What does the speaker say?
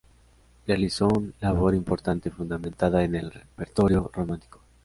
Realizó una labor importante fundamentada en el repertorio romántico.